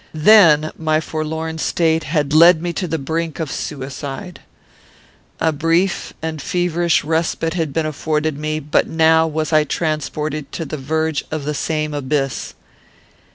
Then my forlorn state had led me to the brink of suicide. A brief and feverish respite had been afforded me, but now was I transported to the verge of the same abyss.